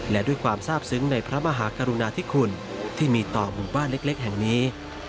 และด้วยความทราบซึ้งในพระมหากรุณาธิคุณที่มีต่อหมู่บ้านเล็กแห่งนี้